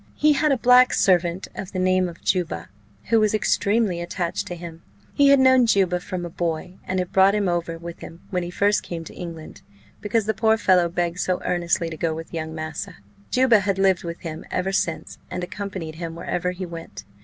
He had a black servant of the name of Juba, who was extremely attached to him: he had known Juba from a boy, and had brought him over with him when he first came to England, because the poor fellow begged so earnestly to go with young massa. Juba had lived with him ever since, and accompanied him wherever he went.